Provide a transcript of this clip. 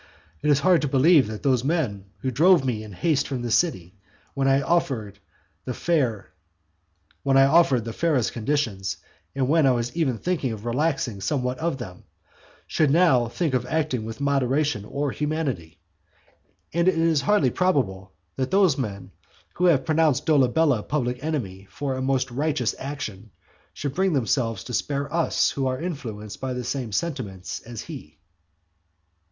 It is hard to believe that those men, who drove me in haste from the city, when I offered the fairest conditions, and when I was even thinking of relaxing somewhat of them, should now think of acting with moderation or humanity. And it is hardly probable, that those men who have pronounced Dolabella a public enemy for a most righteous action, should bring themselves to spare us who are influenced by the same sentiments as he".